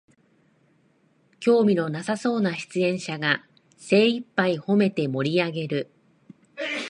興味のなさそうな出演者が精いっぱいほめて盛りあげる